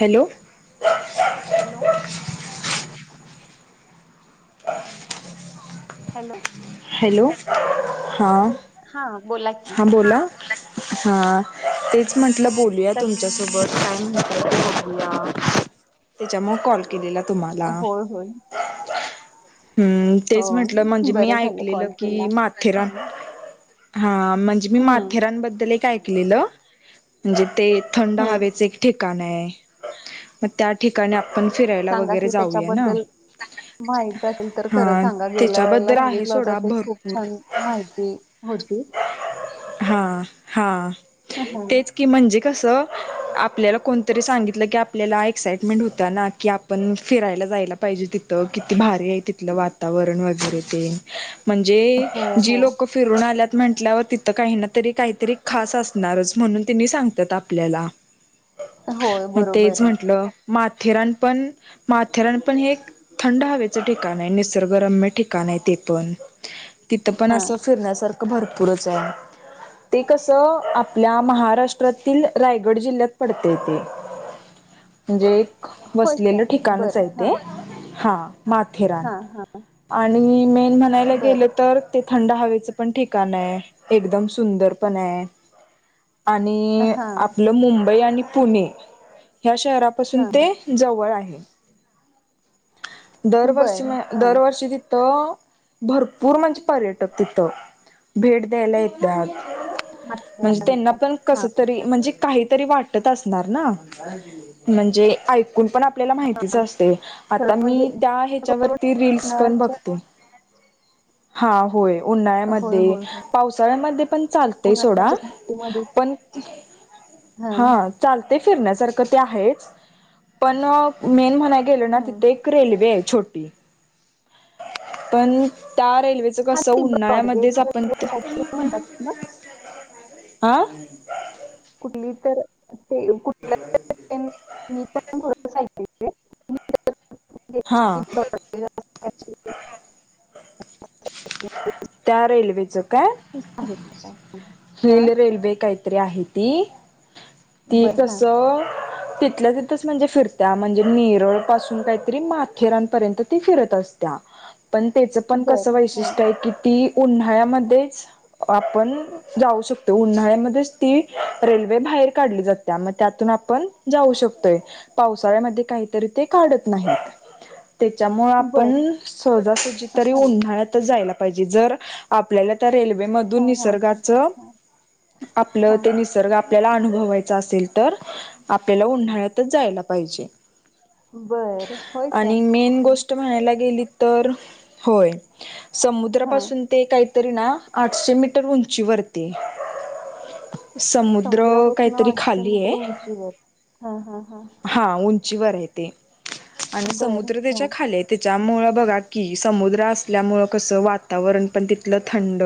Hello hello hello hello हां हा बोला की हा बोला हा तेच म्हणल आपलं बोलूया कस तुमच्यासोबत टाईमट बोलूया त्याच्यामुळे कॉल केलेला तुम्हाला होय होय हम्म हो तेच म्हणटल म्हणजे मी बरं झालं आइकलेल कॉल केला की माथेरन हम्म हा म्हणजे मी हम्म माथेरानबद्दल एक ऐकलेलं म्हणजे ते थंड हम्म हवेच एक ठिकाण आहे मग त्या ठिकाणी आपण फिरायला सांगा वगैरे की जाऊया ना त्याच्याबद्दल माहित असेल तर खरं हा सांगा गेल्या वेळेला त्याच्याबद्दल आहे सांगितलं सोडा खूप छान भरपूर माहिती होती हा हा हा. तेच की म्हणजे कसं आपल्याला कोणतरी सांगितलं की आपल्याला एक्साइटमेंट होत्या ना की आपण फिरायला जायला पाहिजे पाहिजे तिथं किती भारी आहे तिथलं वातावरण वगैरे ते म्हणजे हो हो जी लोक फिरून आल्यात म्हटल्यावर तिथ काही ना तरी काहीतरी खास असणारच म्हणून तिनी सांगत्यात आपल्याला होय मग तेच बरोबर आहे म्हंटलं म थिराणपण माथेराणपण हे थंड हवेचं ठिकाण आहे निसर्गरम्य ठिकाण आहे ते प तिथं पण हा असं फिरण्यासारखं भरपूरच आहे ते कसं आपल्या महाराष्ट्रातील रायगड जिल्ह्यात पडतेय ते म्हणजे एक होय बसलेलं काय ठिकाणच बरं आहे हा ते हा माथेरान हा हा आणि मेन म्हणायला बर गेलं तर ते थंड हवेच पण ठिकाण आहे एकदम सुंदर पण आहे आणि हा आपलं मुंबई आणि पुणे ह्या शहरापासून हा ते जवळ आहे दरवर्षी बर म हा दरवर्षी तिथं भरपूर म्हणजे पर्यटक तिथं भेट द्यायला येतात म्हणजे त्यांना माथेरानला. पण कस हा तरी म्हणजे काही वाट असणार ना म्हणजे कोण पण आपल्याला माहितीच असते खरं आता म्हणजे मी त्या ह्याच्यावरती रिल्स पण बघतो. हा होय होय होय उन्हाळ्यामध्ये, होय पावसाळ्यामध्ये पण चालतय सोडा उन्हाळ्याच्या सुट्टीमध्ये पण हा चालते फिरण्यासारखं ते आहेच पण मेन म्हणाय गेलं ना हम्म. तिथे एक रेल्वे आहे छोटी पण त्या रेल्वेचं हा कस ती उन्हाळ्यामध्येच ब्रॉडगेज आपण काहीतरी म्हणतात ना आं कुठली तर ते कुठल्या मी पण [unintelligible] हा [unintelligible] त्या रेल्वेच काय आहे तशा हा रेल रेल्वे काहीतरी आहे ती ती बर हा कस तिथल्या तीथ म्हणजे फिरत्या म्हणजे नेरळ पासून काहीतरी माथेरापर्यंत ती फिरत असत्या पण त्याचं पण बर कसं हा वैशिष्ट्य आहे की ती उन्हाळ्यामध्येच आपण जाऊ शकतो उन्हाळ्यामध्येच ती रेल्वे बाहेर काढली जात मग त्यातून आपण जाऊ शकतोय पावसाळ्यामध्ये काहीतरी ते काढत नाही त्याच्यामुळे बर आपण सहजासहजी तरी हा उन्हाळ्यात जायला पाहिजे जर आपल्याला त्या रेल्वेचा हा मधून हा हा निसर्गाच हा आपलं ते हा निसर्ग आपल्याला अनुभवायचा असेल तर आपल्याला उन्हाळ्यातच जायला पाहिजे. बर होय काय आणि मेन गोष्ट म्हणायला गेली तर होय हा समुद्रापासून ते काही तरी ना आठशे मीटर उंचीवरती समुद्र समुद्रापासून काहीतरी आठशे खाली मीटर आहे. उंचीवर हा हा हा उंचीवर आहे ते आणि बर समुद्र हा त्याच्या खाली त्याच्यामुळं बघा की समुद्र असल्यामुळे कसं वातावरण पण तिथलं थंड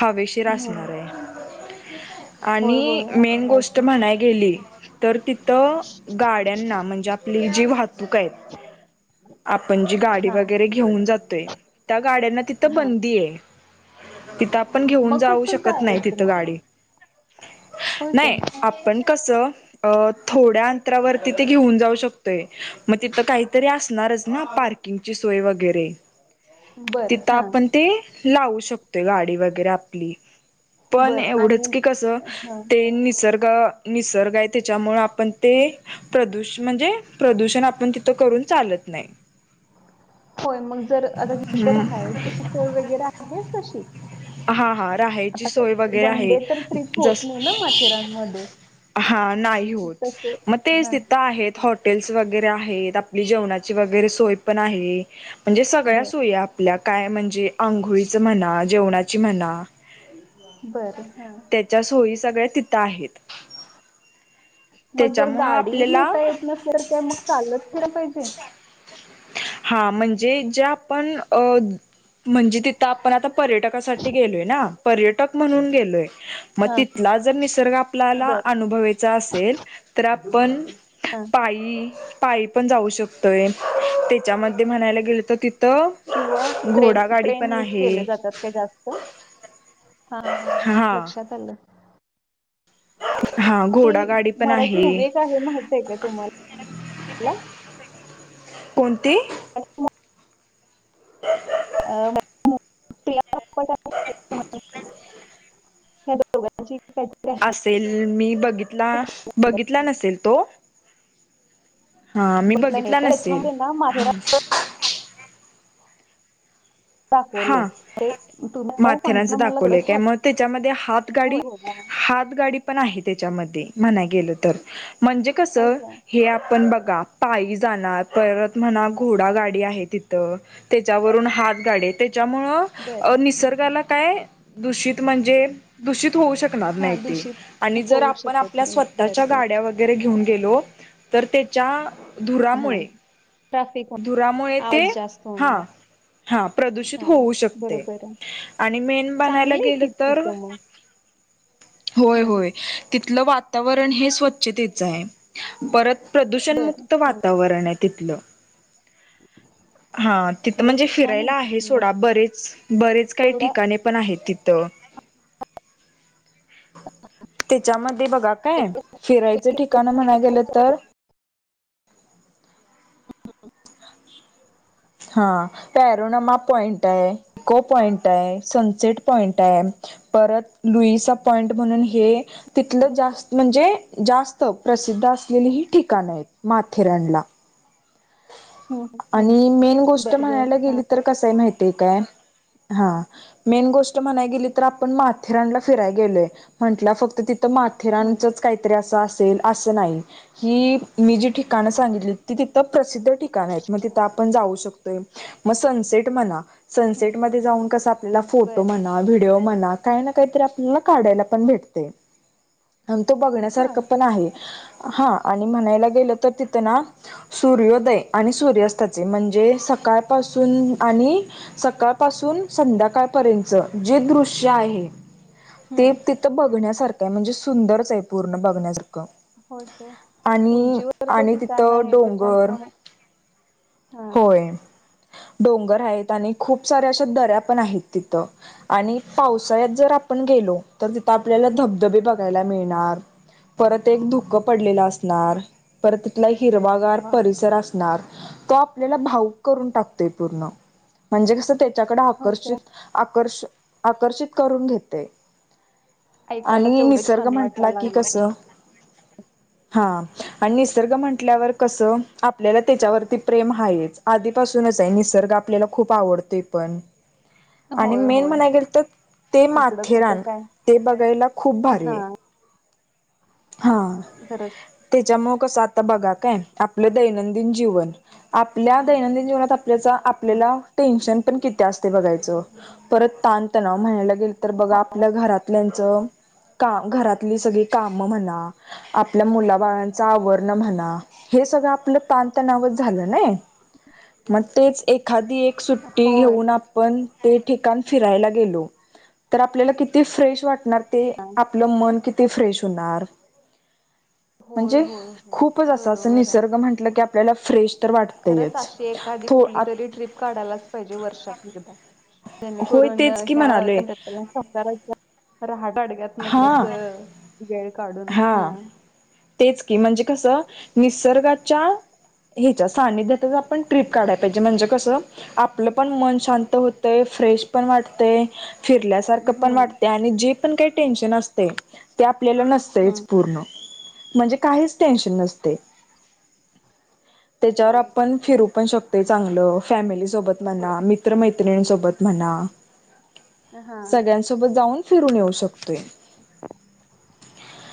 हवेशीर असणार हम्म. आहे. होय आणि होय मेन असणार गोष्ट की म्हणाय गेली तर तिथं गाड्यांना म्हणजे आपली जी वाहतूक आहेत. आपण जी गाडी हा वगैरे घेऊन जातोय त्या गाड्यांना तिथं हा बंदी आहे. तिथं आपण घेऊन मग जाऊ कसं शकत नाही जायचं तिथ मग गाडी. होय काय नाही आपण कस अ थोड्या अंतरावरती ते घेऊन जाऊ शकतोय मग तिथ काहीतरी असणारच ना पार्किंगची सोय वगैरे बर तिथं हा आपण ते लावू शकतो. गडी व आपली पण बर आणि एवढंच की कस हा ते निस निसर्ग आहे त्याच्यामुळे आपण ते प्रदूष म्हणजे प्रदूषण आपण तिथं करून चालत नाही. होय मग जर आता त तर हम्म राहायची सोय वगैरे आहे तशी हा हा राहायची आता ते सोय वगैरे वन आहे डे तर ट्रिप होत जस नाही ना माथेरानमध्ये हा नाही होत तसे मग ते हा तिथं आहेत. हॉटेल्स वगैरे आहेत आपली जेवणाची वगैरे सोय पण आहे म्हणजे सगळ्या बर सोय आपल्या काय म्हणजे आंघोळीचं म्हणा जेवणाची म्हणा बर हा त्याच्या सोयी सगळ्या तिथं आहेत. मग जर त्याच्यामुळं गाडी नेता आपल्याला येत नसेल का मग चालत फिरल पाहिजे. हा म्हणजे जे आपण अ म्हणजे तिथं आपण आता पर्यटकासाठी गेलोय ना पर्यटक म्हणून गेलोय. मग तिथला जर निसर्ग आपल्याला बर अनुभवाचा असेल तर आपण हा पायी पायी पण जाऊ शकतोय त्याच्यामध्ये म्हणायला गेलं तर त किंवा ट्रेन ट्रेन यूज आहे केले जातात का जास्त हा हा हा लक्षात आलं हा ते घोडा गाडी पण मराठी आहे उभेग आहे माहित आहे का तुम्हाला हला कोणते अच्छा हछ अ हे दोोघची असेल मी बघितला बघितला नसेल तो हा मी बघितलं नाही बघितला काय नसेल त्याच्यामध्ये ना माथेरान हा दाखवले तुम्ही आता माथरा सांगताना मला थोडं दावलं का साधं मग त्यामध्ये हात गाडी घोडा हात गाडी पण आहे त्याच्यामध्ये म्हणाय गेलं तर म्हणजे कस होय काय हे आपण बघ पायी जाणार परत म्हणा घोडा गाडी आहे तिथ त्याच्यावरून हात गाडी बर त्यामुळे निसर्गाला काय दूषित म्हणजे दूषित हा दूषित नाही होऊ आप आप शकत नाही स्वड बर बर घे गो तर त्याच्या हा धुरामुळे ट्रॅफिक दुरामुळे य ते आवाज जास्त हा होणार हा प्रदूषित हा होऊ शकते बरोबर आहे आणि मेन बनायला चांगली आहे गेलं की तर तिथं मग होय हा होय तिथलं वा वातावरण हे स्वच्छतेच आहे परत बर प्रदूषणमुक्त वातावरण आहे किथलं हा तिथं म्हणजे खरंच छान फिरायला आहे की मग सोडा बरेच बरेच काही एवढा ठिकाणे पण आहे तिथ त त्याच्यामध्ये बघा काय फिरायचं ठिकाण म्हणाय गेलं तर हां पॅरोनामा पॉइंट आहे इको पॉइंट आहे सनसेट पॉइंट आहे परत लुईचा पॉईंट म्हणून हे तिथलं जास्त म्हणजे जास्त प्रसिद्ध असलेली ह ठिकाणं आहेत माथेरानला हम्म आणि हम्म मेन गोष्ट बर बर म्हणायला हा गेली तर कसय माहितीय काय हा मेन गोष्ट म्हणा गेली तर आपण माथेरानला फिरायला गेलोय म्हटलं फक्त ति तर हम्म माथेरानचंच काहीतरी असं अस अस नाही मी जी ठिकाण सांगितली त तिथं प प्रसिद्ध ठिकाण आहेत मग तिथं आपण जाऊ शकतोय मग सनसेट म्हणा हम्म सनसेटमध्ये जाऊन कसं आपल्याला फोटो बर म्हणा व्हिडिओ म्हणा काही ना काहीतरी आपल्याला काढायला पण भेटते आणि तो हा बघण्यासारख पण आहे हा आणि म्हणायला गेलं तर तिथं ना सूर्योदय आणि सूर्यास्ताचे म्हणजे सकाळपासून आणि सकाळपासून संध्याकाळपर्यंत जे दृश्य आहे ते हम्म तिथं बघण्यासारखं आहे म्हणजे सुंदरच आहे पूर्ण बघण्यासार होके उंचीवर तर आणि ठिकाण तिथं आहे त्याच्या डोंगर होय डोंगर आहेत आणि खूप सऱ्या अशा दऱ्या पण आहेत तिथं आणि पावसाळ्यात जर आपण ण गेलो तर तिथ आपल्याला धबधबे बघायला मिळणार परत एक दुःख पडलेलं असणार परत तिथला हिरवागार वा आपल्या भाऊ टाण त्याच्याकडे होय काय आकर्षित आकर्ष आकर्षित करून घेते ऐकायलाच आणि एवढं निसर्ग छान म्हंटला वाटायला की कस लागलं हा आणि निसर्ग म्हंटल्यावर कसं आपल्याला त्याच्यावरती प्रेम ह आहेच आधीपासूनच आहे निसर्ग आपल्याला खूप आवडतोय पण आणि होय मेन होय म्हणाय गेल तर ते इकडं कुठं माथेरान काय ते बघायला खूप भारी हा आहे. हा खरंच त्याच्यामुळे कस आता बघा काय आपलं दैनंदिन जीवन आपल्या दैनंदिन जीवनात आप हम्म. आपल्याला टेन्शन पण किती असते बघायच. परत ताणतणाव म्हणायला गेल. तर बघा आपल्या घरातल्याच का घरातली सगळी काम आपल्या मुला बाळांचा आवरण म्हणा, हे सगळ आपलं ताणतणावच झालं. ना मग तेच एखादी एक सुट्टी होय घेऊन आपण ते ठिकाण फिरायला गेलो तर आपल्याला किती फ्रेश वाटणार ते आपलं मन कि ते फ्रेश होणार होय म्हणजे होय होय खूपच असं अस बरोबर आहे निसर्ग म्हंटलं की आपल्याला फ्रेश तर खरंच वाटतयच अशी एखादी थो कुठली तरी ट्रिप काढायलाच पाहिजे वर्षात एकदा होय जेणेकरून तेच की ह्या म्हणालोय कातला सजायच्या रहाट अडग्यात ना हा तसं वेळ काढून हा तेच की म्हणजे कसं निसर्गाच्या ह्याच्या सानिध्यात आपण टट्रिप काढाला पाहिजे, म्हणजे कसं आपलं पण मन शांत होतं. फ्रेश पण वाटते. फिरल्यासारख पण हम्म वाटते, आणि जे पण काही टेन्शन असते, त्या आपल्याला नसतयच हम्म पूर्ण म्हणजे काहीच टेनशन नसते, त्याच्यावर होय आपण फिरू पण शकत चांगलं फॅमिली सोबत म्हणा मित्रमैत्रिणीसोबत म्हणा. हा सगळ्यांसोबत जाऊन फिरून येऊ शकत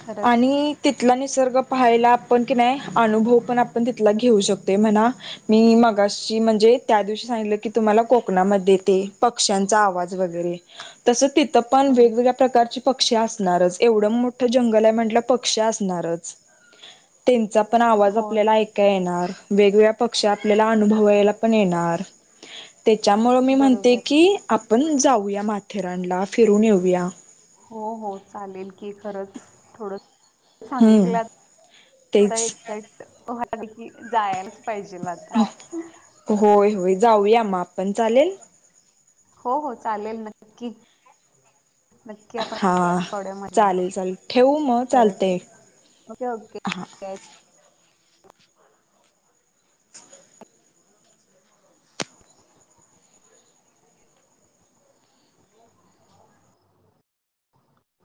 खरंच आणि तिथला निसर्ग पाहायला आपण की नाही अनुभव पण आपण तिथला घेऊ शकत म्हणा मी मागचा त्या दिवसां क तुम्हाला कोणा पक्षाचा आवाज वैगरे तस तिथे पण हम्म पक्षी असणारच, एवढ मोठ जंगल आहे म्हटल्यावर पक्षी असणारच. पण आवाज होय आपल्याला होय ऐका होय येणार वेगवेगळ्या पक्षी आपल्याला अनुभवायला पण येणार त्याच्यामुळे मी म्हणते बरोबर की पण जाऊया माथेरानला फिरून येऊया. हो हो चालेल. कि खरंच थोड हम्म सांगितलं तेच एझॅक्ट जायलाच पाहिजे ना आता. हो होय होय जाऊया म आपण चालेल. हो हो चालेल नक्की नक्की आपण हा पाडूया मग चालेल चालेल ठेवू मग चालते. खरंच ओके ओके.